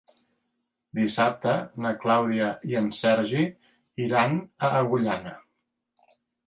Dissabte na Clàudia i en Sergi iran a Agullana.